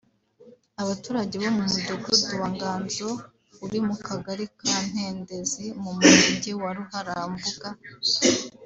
abaturage bo mu dugudu wa Nganzo uri mu Kagari ka Ntendezi mu Murenge wa Ruharambuga